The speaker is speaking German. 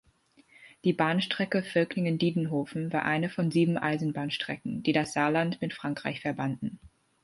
Die Bahnstrecke Völklingen–Diedenhofen war eine von sieben Eisenbahnstrecken, die das Saarland mit Frankreich verbanden.